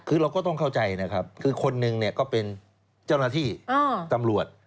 คือเราก็ต้องเข้าใจนะครับคือคนหนึ่งเนี่ยก็เป็นเจ้าหน้าที่ตำรวจ